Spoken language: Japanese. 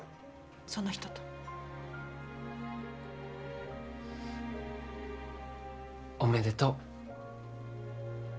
その人と。おめでとう。